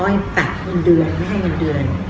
อ้อยตัดอันเดือนไม่ให้อันเดือน